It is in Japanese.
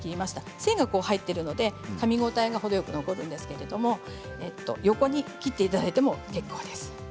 繊維が入っているのでかみ応えが程よく残るんですけれども横に切っていただいても結構です。